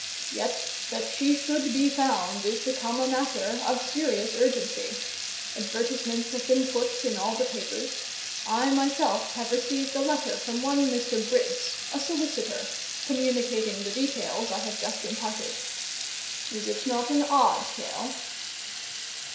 Yet that she should be found is become a matter of serious urgency: advertisements have been put in all the papers; I myself have received a letter from one Mr. Briggs, a solicitor, communicating the details I have just imparted. Is it not an odd tale?"